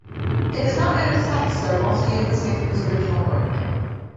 It is not known if "Saxo" also used this name for his original work.